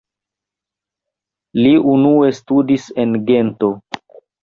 Li unue studis en Gento.